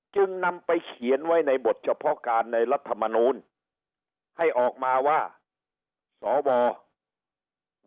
จึงนำไปเขียนไว้ในบทเฉพาะการในรัฐมนูลให้ออกมาว่าสว